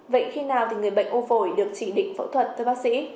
vậy khi nào thì người bệnh u phổi được chỉ định phẫu thuật tới bác sĩ